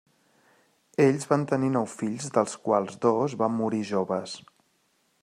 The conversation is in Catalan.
Ells van tenir nou fills dels quals dos van morir joves.